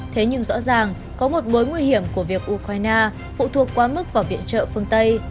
thế nhưng rõ ràng có một mối nguy hiểm của việc ukraine phụ thuộc quá mức vào viện trợ phương tây